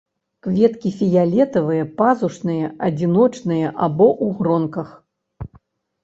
Кветкі фіялетавыя, пазушныя, адзіночныя або ў гронках.